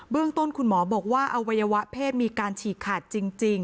เบื้องต้นคุณหมอบอกว่าอวัยวะเพศมีการฉีดขาดจริงจริง